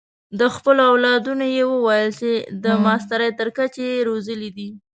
د خپلو اولادونو یې وویل چې د ماسټرۍ تر کچې یې روزلي دي.